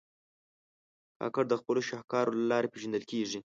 کاکړ د خپلو شهکارو له لارې پېژندل کېږي.